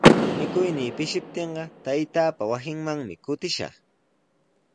Mikuynii pishiptinqa taytaapa wasinmanmi kutishaq.